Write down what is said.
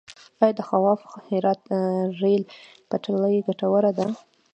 آیا د خواف - هرات ریل پټلۍ ګټوره ده؟